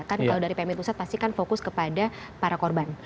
kan kalau dari pmi pusat pasti kan fokus kepada para korban